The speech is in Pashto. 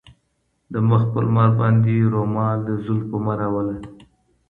د مخ پر لمر باندي رومال د زلفو مه راوله